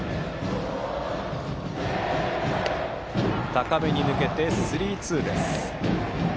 高めに抜けてスリーツー。